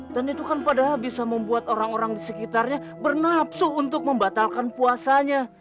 dan itu kan padahal bisa membuat orang orang di sekitarnya bernapsu untuk membatalkan puasanya